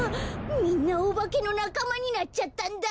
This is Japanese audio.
みんなおばけのなかまになっちゃったんだ！